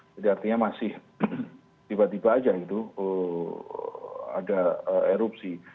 jadi artinya masih tiba tiba aja gitu ada erupsi